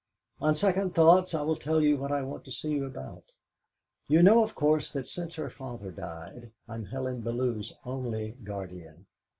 On second thoughts I will tell you what I want to see you about. You know, of course, that since her father died I am Helen Bellew's only guardian.